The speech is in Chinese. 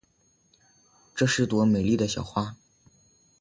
这是朵美丽的小花。